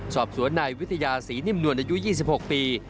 สอบสวนนายวิทยาศรีนิ่มนวลอายุ๒๖ปี